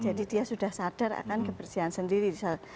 jadi dia sudah sadar akan kebersihan sendiri